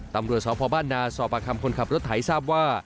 ตำรวจสพบ้านนาสอบประคำคนขับรถไถทราบว่า